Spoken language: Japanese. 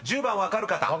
［１０番分かる方］